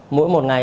mỗi một ngày